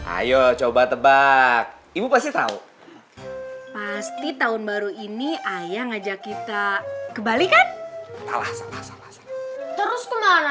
ayo coba tebak ibu pasti tahu pasti tahun baru ini ayah ngajak kita kembali kan terus kemana